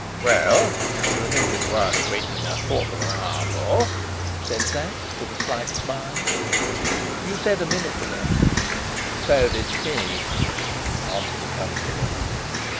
"Well, if you think it worth waiting a quarter of an hour for!" said Sapt, with a slight smile. "You said a minute, sir." "So did she," answered the constable.